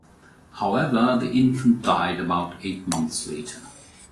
However, the infant died about eight months later.